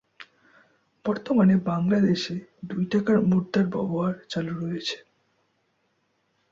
বর্তমানে বাংলাদেশে দুই টাকার মুদ্রার ব্যবহার চালু রয়েছে।